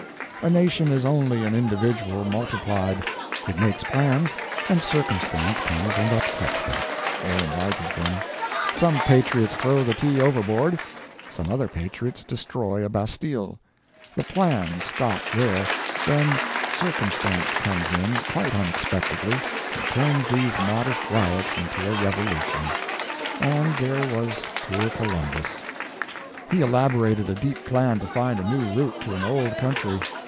A nation is only an individual multiplied. It makes plans and Circumstance comes and upsets them—or enlarges them. Some patriots throw the tea overboard; some other patriots destroy a Bastille. The PLANS stop there; then Circumstance comes in, quite unexpectedly, and turns these modest riots into a revolution. And there was poor Columbus. He elaborated a deep plan to find a new route to an old country.